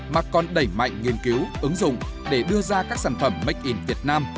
mà còn đẩy mạnh nghiên cứu ứng dụng để đưa ra các sản phẩm make in việt nam